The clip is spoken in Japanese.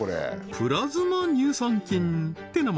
「プラズマ乳酸菌」って名前